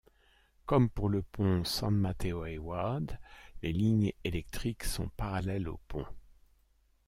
Comme pour le pont San Mateo-Hayward, les lignes électriques sont parallèles au pont.